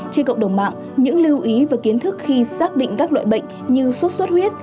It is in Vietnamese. trên cộng đồng mạng những lưu ý và kiến thức khi xác định các loại bệnh như sốt xuất huyết